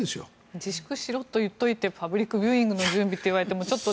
自粛しろと言っておいてパブリックビューイングの準備といっても。